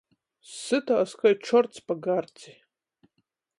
Sytās kai čorts pa garci!